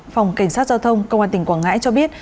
phòng cảnh sát giao thông công an tỉnh quảng ngãi cho biết